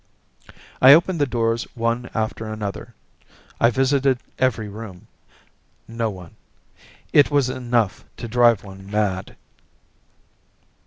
I opened the doors one after another. I visited every room. No one. It was enough to drive one mad.